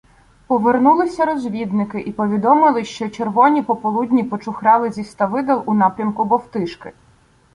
Повернулися розвідники і повідомили, що червоні пополудні почухрали зі Ставидел у напрямку Бовтишки.